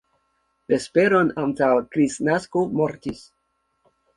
Vesperon antaŭ Kristnasko mortis.